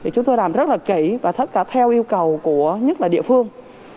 chúng tôi làm rất là kỹ và tất cả theo yêu cầu của nhất là địa phương